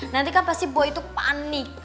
nanti kan pasti buah itu panik